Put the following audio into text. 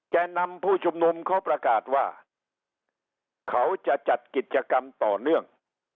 แก่นำผู้ชุมนุมเขาประกาศว่าเขาจะจัดกิจกรรมต่อเนื่อง